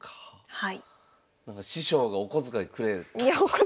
師匠がお小遣いくれたとか？